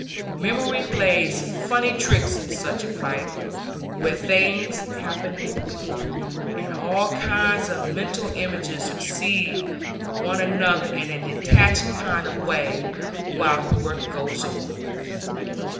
Memory plays funny tricks in such a fight, where things happen quickly, and all kinds of mental images succeed one another in a detached kind of way, while the work goes on.